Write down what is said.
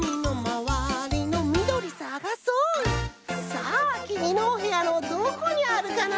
さあきみのおへやのどこにあるかな？